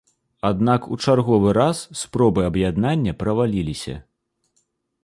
Аднак у чарговы раз спробы аб'яднання правалілася.